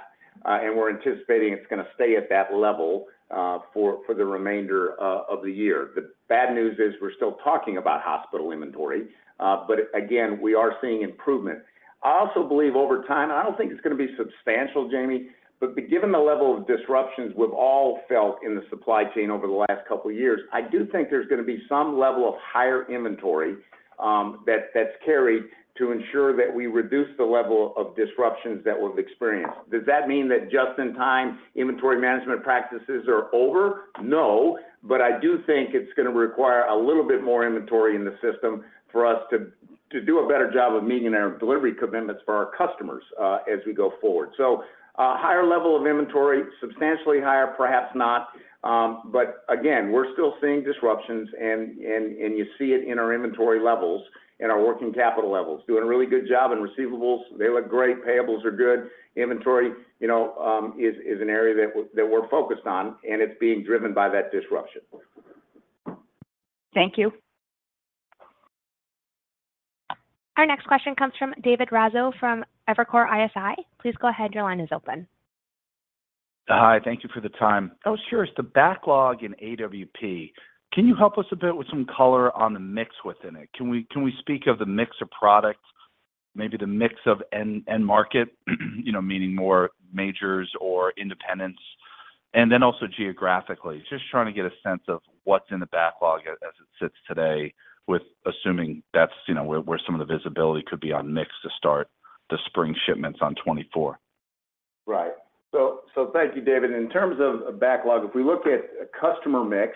[SPEAKER 3] and we're anticipating it's gonna stay at that level for, for the remainder of the year. The bad news is we're still talking about hospital inventory, but again, we are seeing improvement. I also believe over time, I don't think it's gonna be substantial, Jamie, but given the level of disruptions we've all felt in the supply chain over the last couple of years, I do think there's gonna be some level of higher inventory, that's, that's carried to ensure that we reduce the level of disruptions that we've experienced. Does that mean that just-in-time inventory management practices are over? No, I do think it's gonna require a little bit more inventory in the system for us to, to do a better job of meeting our delivery commitments for our customers, as we go forward. Higher level of inventory, substantially higher, perhaps not. Again, we're still seeing disruptions, and, and, and you see it in our inventory levels and our working capital levels. Doing a really good job in receivables. They look great. Payables are good. Inventory, you know, is, is an area that we're focused on, and it's being driven by that disruption.
[SPEAKER 9] Thank you.
[SPEAKER 1] Our next question comes from David Raso from Evercore ISI. Please go ahead. Your line is open.
[SPEAKER 10] Hi, thank you for the time. I was curious, the backlog in AWP, can you help us a bit with some color on the mix within it? Can we speak of the mix of products, maybe the mix of end market, you know, meaning more majors or independents, and then also geographically? Just trying to get a sense of what's in the backlog as it sits today with assuming that's, you know, where some of the visibility could be on mix to start the spring shipments on 2024.
[SPEAKER 3] Thank you, David. In terms of backlog, if we look at a customer mix,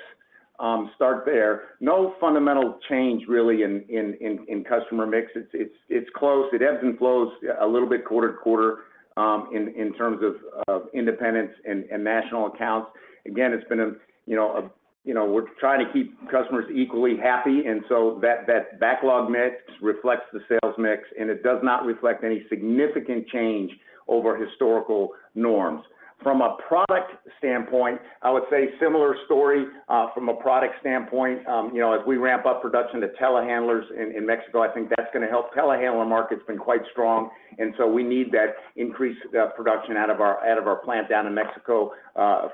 [SPEAKER 3] start there, no fundamental change really in customer mix. It's, it's, it's close. It ebbs and flows a little bit quarter to quarter, in terms of independents and national accounts. Again, it's been a, you know, you know, we're trying to keep customers equally happy, and so that, that backlog mix reflects the sales mix, and it does not reflect any significant change over historical norms. From a product standpoint, I would say similar story from a product standpoint. You know, as we ramp up production to telehandlers in Mexico, I think that's going to help. Telehandler market's been quite strong, and so we need that increased production out of our, out of our plant down in Mexico,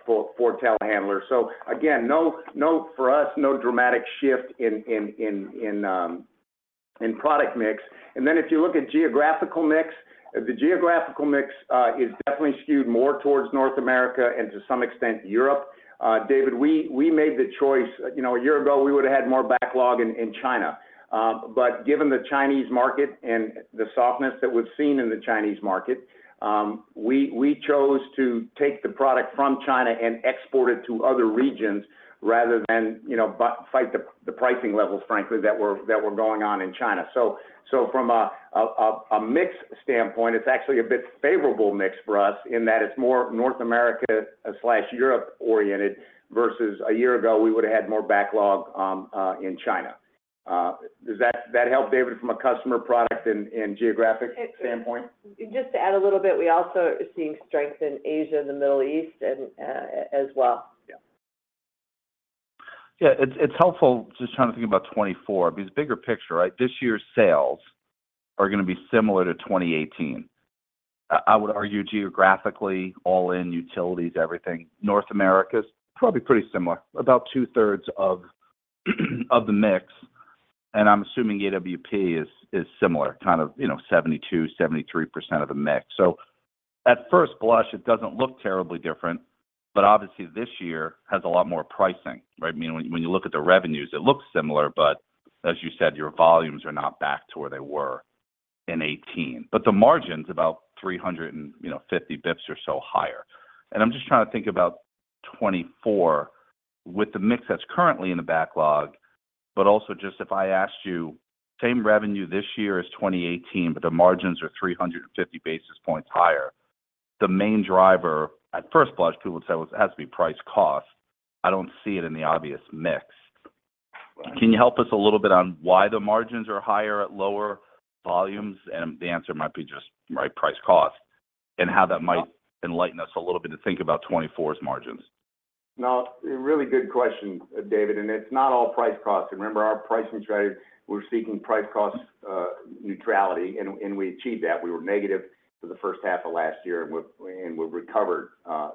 [SPEAKER 3] for telehandlers. So again, no, no for us, no dramatic shift in product mix. If you look at geographical mix, the geographical mix is definitely skewed more towards North America and to some extent, Europe. David, we made the choice, you know, a year ago, we would have had more backlog in China. Given the Chinese market and the softness that we've seen in the Chinese market, we chose to take the product from China and export it to other regions rather than fight the pricing levels, frankly, that were going on in China. From a mix standpoint, it's actually a bit favorable mix for us in that it's more North America/Europe-oriented, versus a year ago, we would have had more backlog in China. Does that help, David, from a customer, product, and geographic standpoint?
[SPEAKER 4] Just to add a little bit, we also are seeing strength in Asia and the Middle East and, as well.
[SPEAKER 3] Yeah.
[SPEAKER 10] Yeah, it's, it's helpful just trying to think about 2024, because bigger picture, right? This year's sales are going to be similar to 2018. I, I would argue geographically, all in utilities, everything, North America is probably pretty similar, about 2/3 of, of the mix, and I'm assuming AWP is, is similar, kind of, you know, 72%, 73% of the mix. At first blush, it doesn't look terribly different, but obviously, this year has a lot more pricing, right? I mean, when you, when you look at the revenues, it looks similar, but as you said, your volumes are not back to where they were in 2018. The margin's about 350 bips or so higher. I'm just trying to think about 2024 with the mix that's currently in the backlog, but also just if I asked you, same revenue this year as 2018, but the margins are 350 basis points higher. The main driver, at first blush, people would say, "Well, it has to be price cost." I don't see it in the obvious mix.
[SPEAKER 3] Right.
[SPEAKER 10] Can you help us a little bit on why the margins are higher at lower volumes? The answer might be just right price cost, and how that might enlighten us a little bit to think about 2024's margins.
[SPEAKER 3] A really good question, David, it's not all price costing. Remember, our pricing strategy, we're seeking price cost neutrality, and we achieved that. We were negative for the first half of last year, we've recovered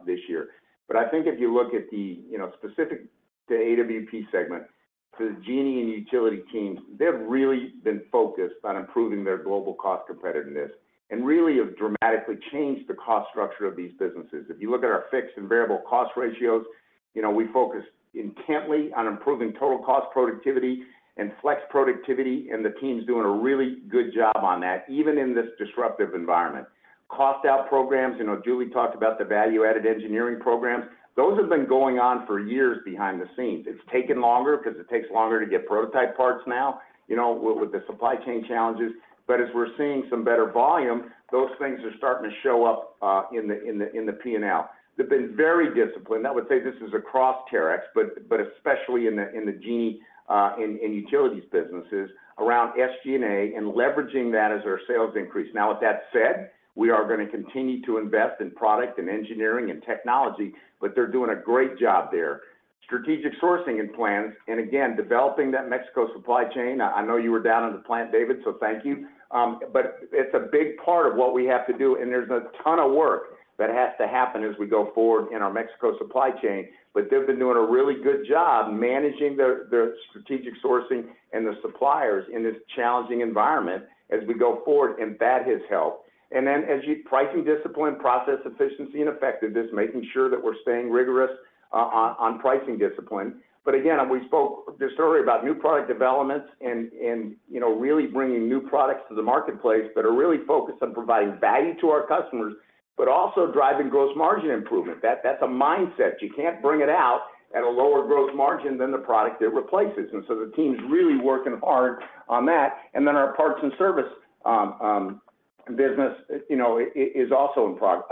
[SPEAKER 3] this year. I think if you look at the, you know, specific to AWP segment, to the Genie and utility teams, they've really been focused on improving their global cost competitiveness and really have dramatically changed the cost structure of these businesses. If you look at our fixed and variable cost ratios, you know, we focus intently on improving total cost productivity and flex productivity, the team's doing a really good job on that, even in this disruptive environment. Cost out programs, you know, Julie talked about the value-added engineering programs. Those have been going on for years behind the scenes. It's taken longer because it takes longer to get prototype parts now, you know, with, with the supply chain challenges. As we're seeing some better volume, those things are starting to show up in the P&L. They've been very disciplined. I would say this is across Terex, but especially in the Genie, in utilities businesses, around SG&A and leveraging that as our sales increase. With that said, we are going to continue to invest in product and engineering and technology, but they're doing a great job there. Strategic sourcing and plans, and again, developing that Mexico supply chain. I, I know you were down in the plant, David, so thank you. It's a big part of what we have to do, and there's a ton of work that has to happen as we go forward in our Mexico supply chain. They've been doing a really good job managing their, their strategic sourcing and the suppliers in this challenging environment as we go forward, and that has helped. As you pricing discipline, process efficiency and effectiveness, making sure that we're staying rigorous on pricing discipline. Again, we spoke just earlier about new product developments, you know, really bringing new products to the marketplace that are really focused on providing value to our customers, but also driving gross margin improvement. That's a mindset. You can't bring it out at a lower growth margin than the product it replaces. The team's really working hard on that. Then our parts and service business, you know, is also important.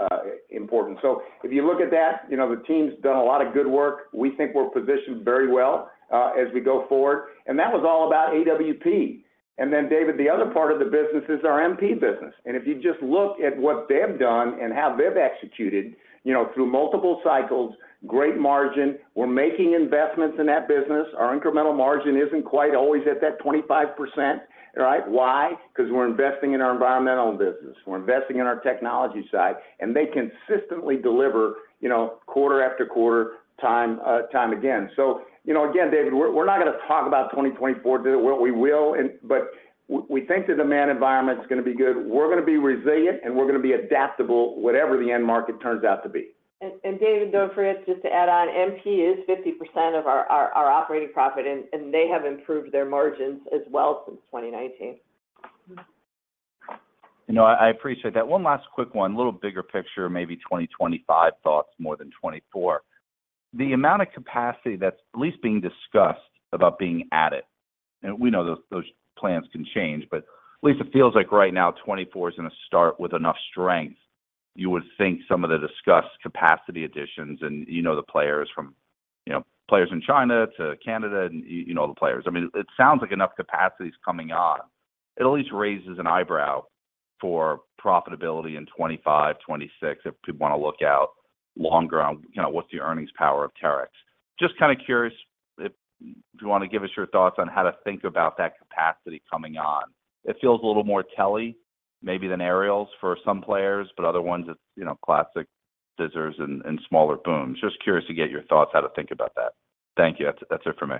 [SPEAKER 3] If you look at that, you know, the team's done a lot of good work. We think we're positioned very well as we go forward. That was all about AWP. Then David, the other part of the business is our MP business. If you just look at what they've done and how they've executed, you know, through multiple cycles, great margin, we're making investments in that business. Our incremental margin isn't quite always at that 25%, right? Why? Because we're investing in our environmental business, we're investing in our technology side, and they consistently deliver, you know, quarter after quarter, time again. You know, again, David, we're, we're not gonna talk about 2024. We, we will, we think that demand environment's gonna be good. We're gonna be resilient, and we're gonna be adaptable, whatever the end market turns out to be.
[SPEAKER 4] David, don't forget, just to add on, MP is 50% of our, our, our operating profit, and they have improved their margins as well since 2019.
[SPEAKER 10] You know, I, I appreciate that. One last quick one, a little bigger picture, maybe 2025 thoughts, more than 2024. The amount of capacity that's at least being discussed about being added, and we know those, those plans can change, but at least it feels like right now, 2024 is gonna start with enough strength. You would think some of the discussed capacity additions and, you know, the players from... You know, players in China to Canada, and you know all the players. I mean, it sounds like enough capacity is coming on. It at least raises an eyebrow for profitability in 2025, 2026, if people wanna look out longer on, you know, what's the earnings power of Terex. Just kind of curious if, if you wanna give us your thoughts on how to think about that capacity coming on. It feels a little more telly, maybe than aerials for some players, but other ones, it's, you know, classic scissors and, and smaller booms. Just curious to get your thoughts, how to think about that. Thank you. That's, that's it for me.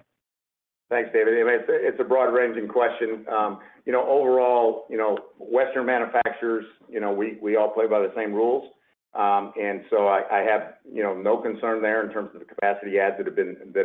[SPEAKER 3] Thanks, David. I mean, it's a, it's a broad-ranging question. You know, overall, you know, Western manufacturers, you know, we, we all play by the same rules. So I, I have, you know, no concern there in terms of the capacity adds that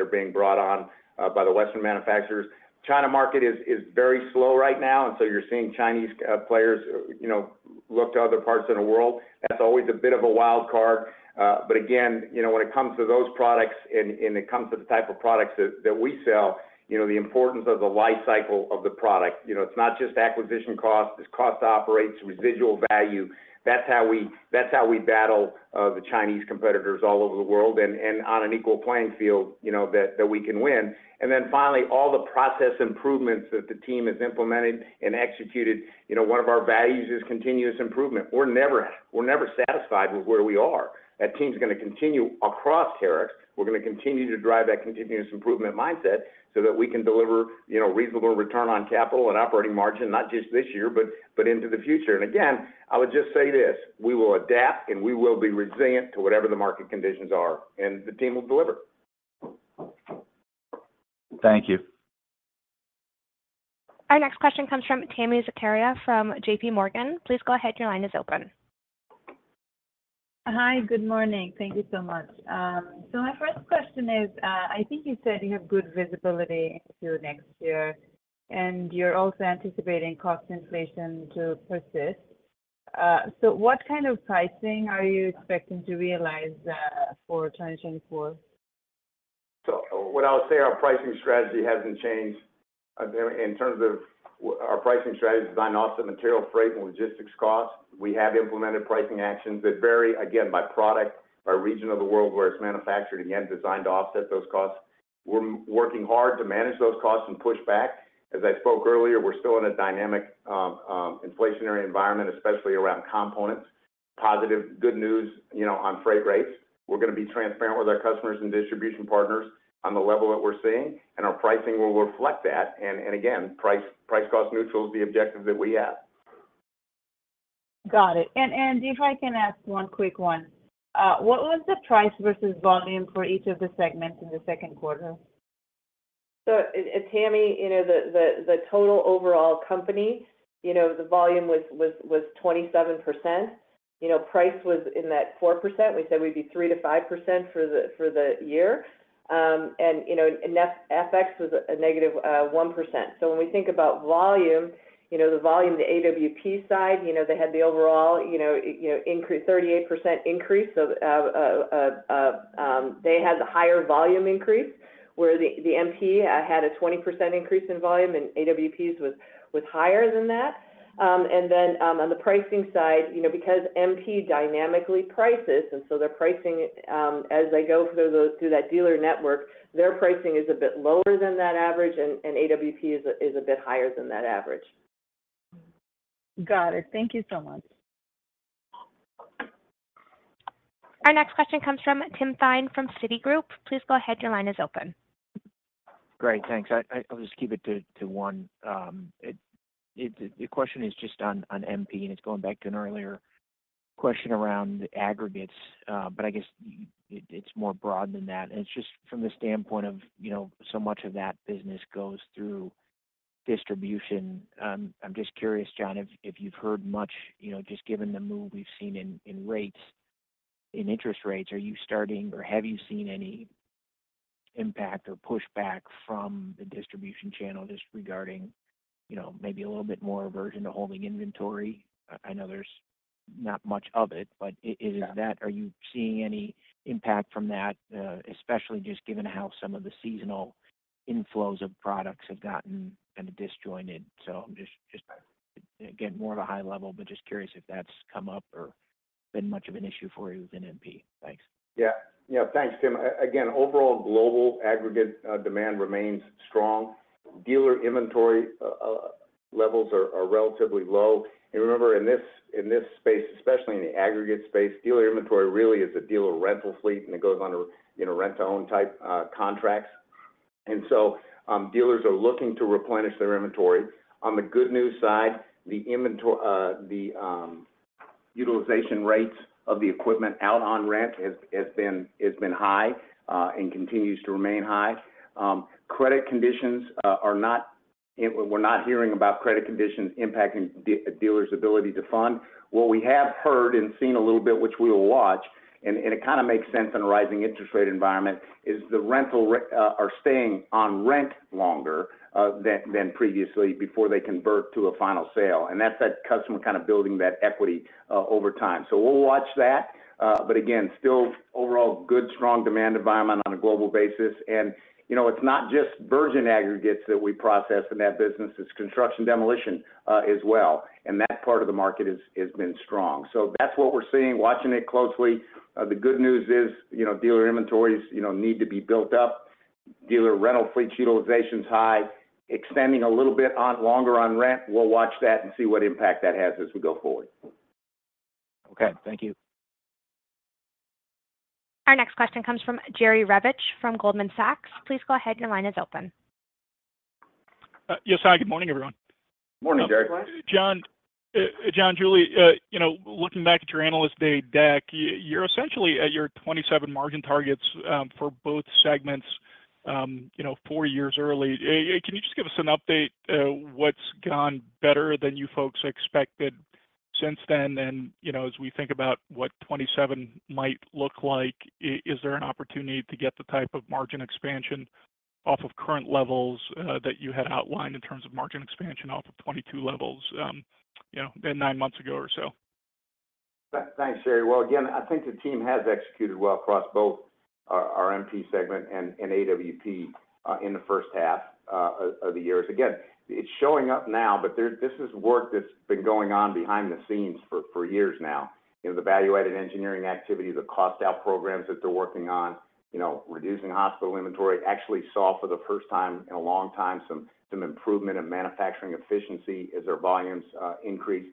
[SPEAKER 3] are being brought on by the Western manufacturers. China market is, is very slow right now, so you're seeing Chinese players, you know, look to other parts of the world. That's always a bit of a wild card, but again, you know, when it comes to those products and, and it comes to the type of products that, that we sell, you know, the importance of the life cycle of the product. You know, it's not just acquisition cost, it's cost to operate, residual value. That's how we battle the Chinese competitors all over the world, and on an equal playing field, you know, that, that we can win. Then finally, all the process improvements that the team has implemented and executed. You know, one of our values is continuous improvement. We're never, we're never satisfied with where we are. That team's gonna continue across Terex. We're gonna continue to drive that continuous improvement mindset so that we can deliver, you know, reasonable return on capital and operating margin, not just this year, but, but into the future. Again, I would just say this: we will adapt, and we will be resilient to whatever the market conditions are, and the team will deliver.
[SPEAKER 10] Thank you.
[SPEAKER 1] Our next question comes from Tami Zakaria from JPMorgan. Please go ahead. Your line is open.
[SPEAKER 11] Hi, good morning. Thank you so much. My first question is, I think you said you have good visibility into next year, and you're also anticipating cost inflation to persist. What kind of pricing are you expecting to realize, for 2024?
[SPEAKER 3] What I'll say, our pricing strategy hasn't changed. There, in terms of our pricing strategy is designed to offset material freight and logistics costs. We have implemented pricing actions that vary, again, by product, by region of the world where it's manufactured, again, designed to offset those costs. We're working hard to manage those costs and push back. As I spoke earlier, we're still in a dynamic inflationary environment, especially around components. Positive, good news, you know, on freight rates. We're gonna be transparent with our customers and distribution partners on the level that we're seeing, and our pricing will reflect that, and, and again, price, price cost neutral is the objective that we have.
[SPEAKER 11] Got it. And if I can ask one quick one, what was the price versus volume for each of the segments in the second quarter?
[SPEAKER 4] Tami, you know, the, the, the total overall company, you know, the volume was, was, was 27%. You know, price was in that 4%. We said we'd be 3%-5% for the, for the year. You know, FX was a negative 1%. When we think about volume, you know, the volume, the AWP side, you know, they had the overall, you know, you know, increase, 38% increase. They had the higher volume increase, where the MP had a 20% increase in volume, and AWPs was, was higher than that. On the pricing side, you know, because MP dynamically prices, and so they're pricing as they go through those, through that dealer network, their pricing is a bit lower than that average, and AWP is a bit higher than that average.
[SPEAKER 11] Got it. Thank you so much.
[SPEAKER 1] Our next question comes from Tim Thein from Citigroup. Please go ahead. Your line is open.
[SPEAKER 12] Great, thanks. I, I, I'll just keep it to, to one. it, it... The question is just on, on MP, and it's going back to an earlier question around aggregates, but I guess it, it's more broad than that. It's just from the standpoint of, you know, so much of that business goes through distribution. I'm just curious, John, if, if you've heard much, you know, just given the move we've seen in, in rates, in interest rates, are you starting or have you seen any impact or pushback from the distribution channel just regarding, you know, maybe a little bit more aversion to holding inventory? I know there's not much of it, but is that-
[SPEAKER 3] Yeah....
[SPEAKER 12] are you seeing any impact from that, especially just given how some of the seasonal inflows of products have gotten kind of disjointed? I'm just again, more of a high level, but just curious if that's come up or been much of an issue for you within MP? Thanks.
[SPEAKER 3] Yeah. Yeah, thanks, Tim. Again, overall global aggregate demand remains strong. Dealer inventory levels are relatively low. Remember, in this, in this space, especially in the aggregate space, dealer inventory really is a dealer rental fleet, and it goes on a, you know, rent-to-own type contracts. Dealers are looking to replenish their inventory. On the good news side, the utilization rates of the equipment out on rent has been high and continues to remain high. Credit conditions are not, and we're not hearing about credit conditions impacting a dealer's ability to fund. What we have heard and seen a little bit, which we will watch, and it kind of makes sense in a rising interest rate environment, is the rental, are staying on rent longer, than, than previously before they convert to a final sale, and that's that customer kind of building that equity, over time. Still overall good, strong demand environment on a global basis. You know, it's not just virgin aggregates that we process in that business, it's construction demolition, as well, and that part of the market has, has been strong. That's what we're seeing, watching it closely. The good news is, you know, dealer inventories, you know, need to be built up. Dealer rental fleets utilization's high, extending a little bit on longer on rent. We'll watch that and see what impact that has as we go forward.
[SPEAKER 12] Okay. Thank you.
[SPEAKER 1] Our next question comes from Jerry Revich, from Goldman Sachs. Please go ahead. Your line is open.
[SPEAKER 13] Yes, hi. Good morning, everyone.
[SPEAKER 3] Morning, Jerry.
[SPEAKER 13] John, Julie, you know, looking back at your Analyst Day deck, you're essentially at your 2027 margin targets, for both segments, you know, four years early. Can you just give us an update, what's gone better than you folks expected since then? You know, as we think about what 2027 might look like, is there an opportunity to get the type of margin expansion off of current levels, that you had outlined in terms of margin expansion off of 2022 levels, you know, than nine months ago or so?
[SPEAKER 3] Thanks, Jerry. Well, again, I think the team has executed well across both our, our MP segment and AWP in the first half of the year. Again, it's showing up now, but this is work that's been going on behind the scenes for, for years now. You know, the value-added engineering activity, the cost out programs that they're working on, you know, reducing hospital inventory, actually saw for the first time in a long time some, some improvement in manufacturing efficiency as their volumes increase.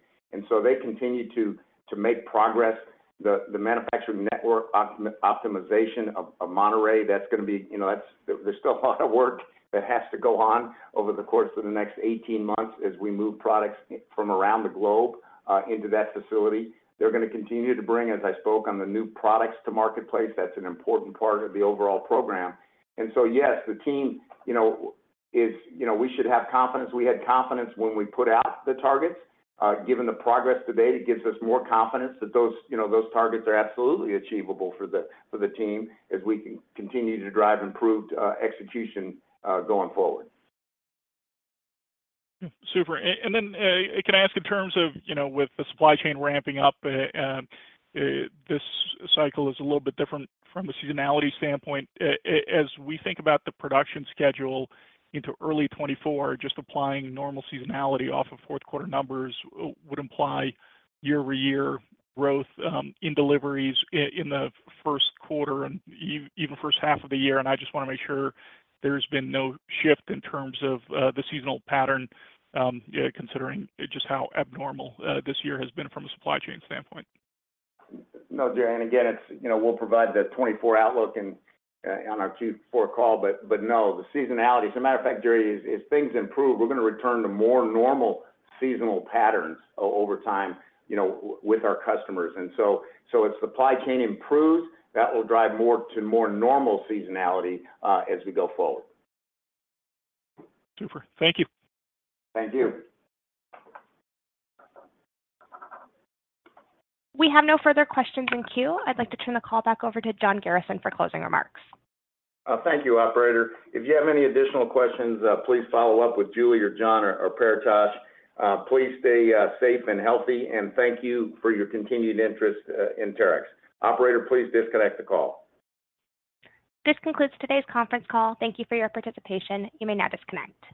[SPEAKER 3] They continue to, to make progress. The, the manufacturing network optimization of Monterrey, that's gonna be, you know, that's there's still a lot of work that has to go on over the course of the next 18 months as we move products from around the globe into that facility. They're gonna continue to bring, as I spoke on, the new products to marketplace. That's an important part of the overall program. Yes, the team, you know, is, you know, we should have confidence. We had confidence when we put out the targets. Given the progress today, it gives us more confidence that those, you know, those targets are absolutely achievable for the, for the team as we continue to drive improved execution going forward.
[SPEAKER 13] Super. Can I ask in terms of, you know, with the supply chain ramping up, this cycle is a little bit different from a seasonality standpoint. As we think about the production schedule into early 2024, just applying normal seasonality off of fourth quarter numbers, would imply year-over-year growth in deliveries in the first quarter and even first half of the year. I just wanna make sure there's been no shift in terms of the seasonal pattern, considering just how abnormal this year has been from a supply chain standpoint.
[SPEAKER 3] No, Jerry, and again, it's, you know, we'll provide the 2024 outlook and on our Q4 call. But no, the seasonality, as a matter of fact, Jerry, as, as things improve, we're gonna return to more normal seasonal patterns over time, you know, with our customers. So, as supply chain improves, that will drive more to more normal seasonality, as we go forward.
[SPEAKER 13] Super. Thank you.
[SPEAKER 3] Thank you.
[SPEAKER 1] We have no further questions in queue. I'd like to turn the call back over to John Garrison for closing remarks.
[SPEAKER 3] Thank you, operator. If you have any additional questions, please follow up with Julie or John or Paritosh. Please stay safe and healthy, and thank you for your continued interest in Terex. Operator, please disconnect the call.
[SPEAKER 1] This concludes today's conference call. Thank you for your participation. You may now disconnect.